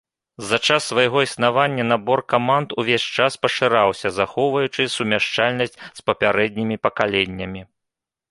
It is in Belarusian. За час свайго існавання набор каманд увесь час пашыраўся, захоўваючы сумяшчальнасць з папярэднімі пакаленнямі.